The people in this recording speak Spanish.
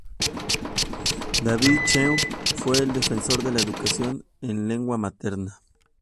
David Cheung fue el defensor de la educación en lengua materna.